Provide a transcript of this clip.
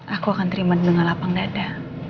aku akan terima dengan lapang dada